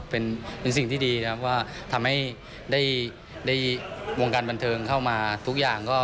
เป็นสิ่งที่ดีนะครับว่าทำให้ได้วงการบันเทิงเข้ามาทุกอย่าง